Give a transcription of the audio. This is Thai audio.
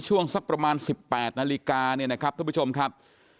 ช่วงซักประมาณ๑๘นาฬิกาทุกผู้ชมครับ